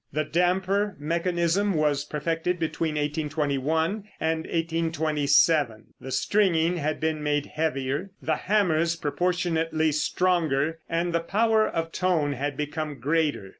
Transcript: The damper mechanism was perfected between 1821 and 1827; the stringing had been made heavier, the hammers proportionately stronger, and the power of tone had become greater.